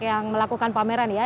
yang melakukan pameran ya